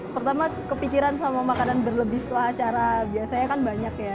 pertama kepikiran sama makanan berlebih setelah acara biasanya kan banyak ya